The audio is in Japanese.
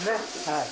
はい。